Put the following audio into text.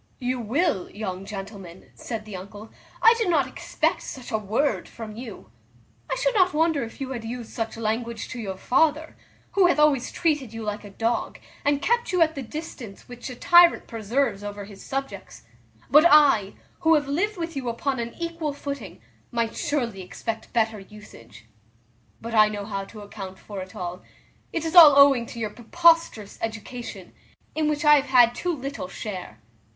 "You will, young gentleman;" said the uncle; "I did not expect such a word from you. I should not wonder if you had used such language to your father, who hath always treated you like a dog, and kept you at the distance which a tyrant preserves over his subjects; but I, who have lived with you upon an equal footing, might surely expect better usage: but I know how to account for it all: it is all owing to your preposterous education, in which I have had too little share.